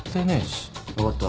分かった。